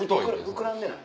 膨らんでない？